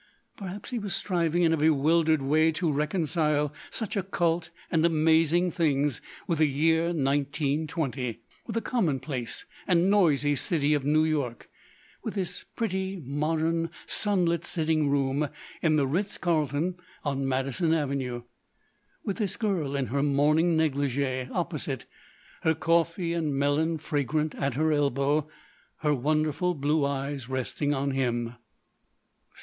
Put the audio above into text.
Perhaps he was striving in a bewildered way to reconcile such occult and amazing things with the year 1920—with the commonplace and noisy city of New York—with this pretty, modern, sunlit sitting room in the Ritz Carlton on Madison Avenue—with this girl in her morning negligee opposite, her coffee and melon fragrant at her elbow, her wonderful blue eyes resting on him.